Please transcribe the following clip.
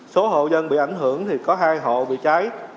số hộ dân bị ảnh hưởng thì có hai hộ bị cháy